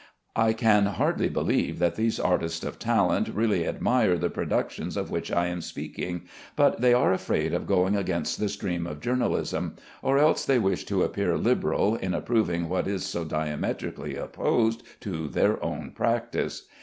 I can hardly believe that these artists of talent really admire the productions of which I am speaking, but they are afraid of going against the stream of journalism, or else they wish to appear liberal in approving what is so diametrically opposed to their own practice.